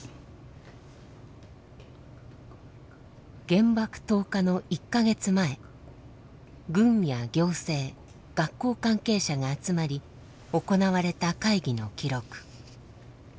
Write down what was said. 原爆投下の１か月前軍や行政学校関係者が集まり行われた会議の記録。